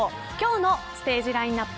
今日のステージラインアップ